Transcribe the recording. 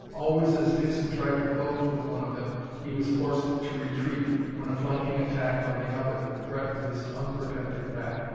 Always as Dixon tried to close with one of them he was forced to retreat when a flanking attack from the other threatened his unprotected back.